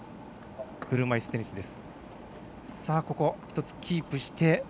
車いすテニスです。